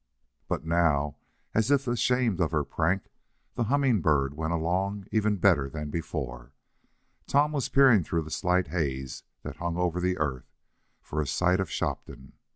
But now, as if ashamed of her prank, the Humming Bird went along even better than before. Tom was peering through the slight haze that hung over the earth, for a sight of Shopton.